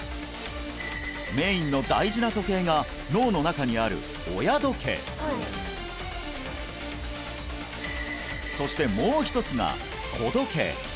メインの大事な時計が脳の中にある親時計そしてもう一つが子時計